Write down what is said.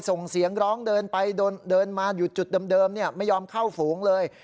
ส่งเสียงร้องเดินไปเดินมาอยู่จุดเดิมไม่ยอมเข้าฝูงเลย